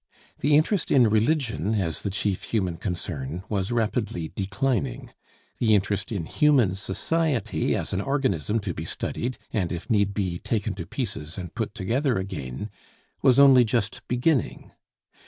The interest in religion as the chief human concern was rapidly declining. The interest in human society as an organism to be studied, and if need be, taken to pieces and put together again, was only just beginning.